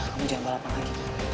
kamu jangan balapan lagi